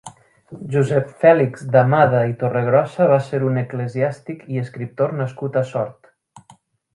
Josep Fèlix d'Amada i Torregrossa va ser un eclesiàstic i escriptor nascut a Sort.